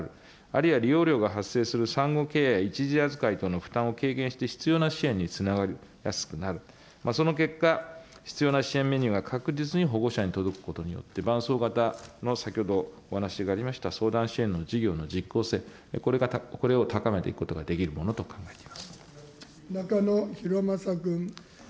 あるいは利用料が発生する産後ケアや一時預かり等の負担を軽減して必要な支援につながりやすくなる、その結果、必要な支援メニューが確実に保護者に届くことによって、伴走型の先ほどお話がありました相談支援の事業の実効性、これを高めていくことができるものと考えて。